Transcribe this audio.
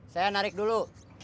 saya narik dulu